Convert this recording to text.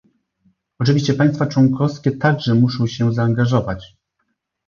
Oczywiście państwa członkowskie także muszą się zaangażować